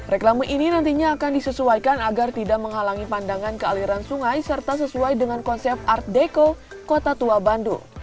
reklame ini nantinya akan disesuaikan agar tidak menghalangi pandangan ke aliran sungai serta sesuai dengan konsep art deco kota tua bandung